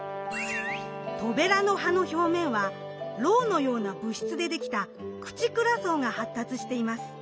トベラの葉の表面はロウのような物質でできた「クチクラ層」が発達しています。